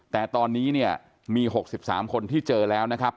แต่ตอนนี้เนี่ยมี๖๓คนที่เจอแล้วนะครับ